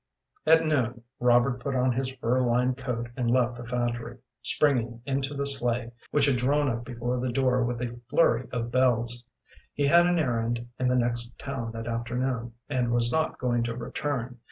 At noon Robert put on his fur lined coat and left the factory, springing into the sleigh, which had drawn up before the door with a flurry of bells. He had an errand in the next town that afternoon, and was not going to return.